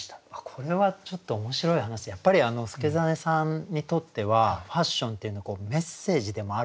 これはちょっと面白い話でやっぱり祐真さんにとってはファッションっていうのはメッセージでもあるわけですね。